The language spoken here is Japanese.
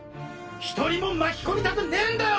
１人も巻き込みたくねぇんだよ！！